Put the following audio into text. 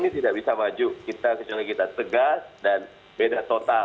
sehingga kita tegas dan beda total